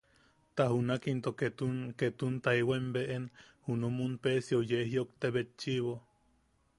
Ta junak into ketun... ketun taewaim beʼen junumun Peesio yee jiʼojte betchiʼibo.